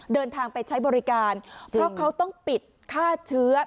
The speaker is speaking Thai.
เดินทางไปใช้บริการเพราะเขาต้องปิดฆ่าเชื้อ